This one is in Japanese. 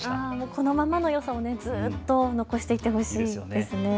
このままのよさをずっと残していってほしいですね。